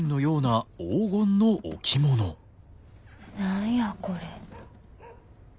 何やこれ。